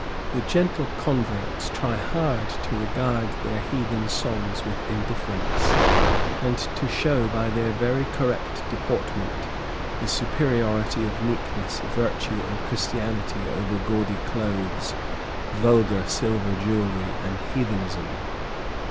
The gentle converts try hard to regard their heathen songs with indifference, and to show by their very correct deportment the superiority of meekness, virtue, and Christianity over gaudy clothes, vulgar silver jewellery, and heathenism.